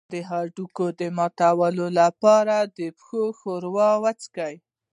د هډوکو د ماتیدو لپاره د پښو ښوروا وڅښئ